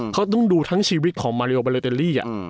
เขาต้องดูทั้งชีวิตของมาริโอบาเลเตอรี่